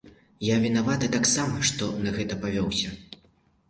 Я вінаваты таксама, што на гэта павёўся.